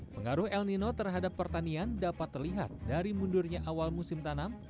pengaruh el nino terhadap pertanian dapat terlihat dari mundurnya awal musim tanam